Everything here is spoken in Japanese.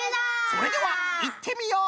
それではいってみよう！